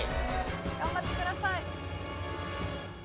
頑張ってください。